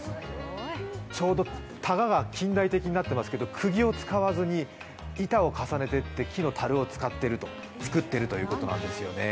ちょうど、たがが近代的になってますけどくぎを使わずに、板を重ねていって木のたるを作っているということなんですよね